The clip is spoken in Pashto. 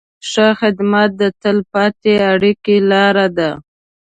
ښه خدمت د تل پاتې اړیکې لاره ده.